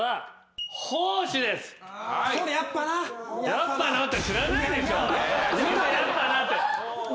「やっぱな」って。